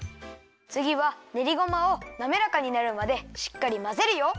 つぎはねりごまをなめらかになるまでしっかりまぜるよ。